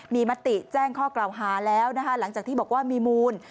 มีมติแจ้งข้อกล่าวหาแล้วนะคะหลังจากที่บอกว่ามีมูล